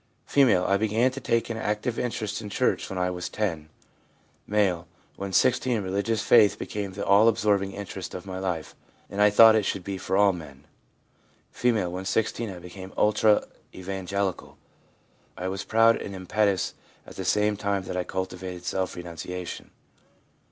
F. ' I began to take an active interest in church when I was 10/ M. 'When 16 religious faith became the all absorbing interest of my life, and I thought it should be for all men.' F. 'When 16 I became ultra evangelical ; I was proud and impetuous at the same time that I cultivated self renunciation.